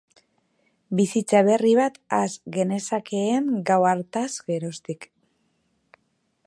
Bizitza berri bat has genezakeen gau hartaz geroztik.